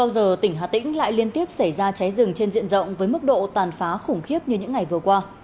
một mươi giờ tỉnh hà tĩnh lại liên tiếp xảy ra cháy rừng trên diện rộng với mức độ tàn phá khủng khiếp như những ngày vừa qua